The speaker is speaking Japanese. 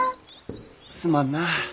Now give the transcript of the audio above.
すまんな。